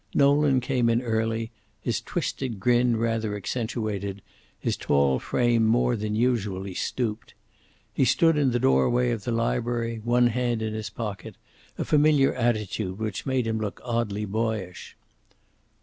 Nolan came in early, his twisted grin rather accentuated, his tall frame more than usually stooped. He stood in the doorway of the library, one hand in his pocket, a familiar attitude which made him look oddly boyish.